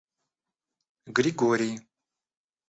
Григорий